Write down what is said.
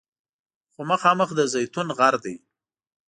خو مخامخ د زیتون غر دی.